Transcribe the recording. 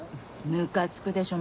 ムカつくでしょ